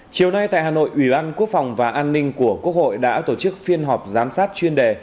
chiều nay tại hà nội ủy ban quốc phòng và an ninh của quốc hội đã tổ chức phiên họp giám sát chuyên đề